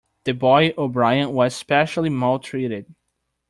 The boy, O'Brien, was specially maltreated.